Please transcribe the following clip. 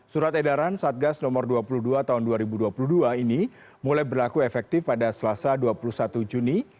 surat edaran satgas nomor dua puluh dua tahun dua ribu dua puluh dua ini mulai berlaku efektif pada selasa dua puluh satu juni